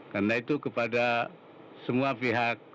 karena itu kepada semua pihak